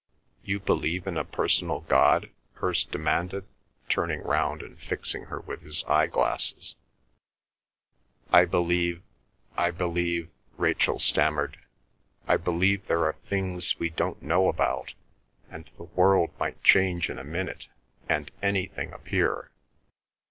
"You believe in a personal God?" Hirst demanded, turning round and fixing her with his eyeglasses. "I believe—I believe," Rachel stammered, "I believe there are things we don't know about, and the world might change in a minute and anything appear."